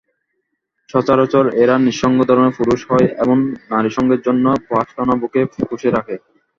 সচরাচর এরা নিঃসঙ্গ ধরনের পুরুষ হয়, এবং নারীসঙ্গের জন্যে বাসনা বুকে পুষে রাখে।